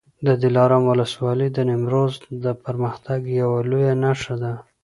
د دلارام ولسوالي د نیمروز د پرمختګ یوه لویه نښه ده.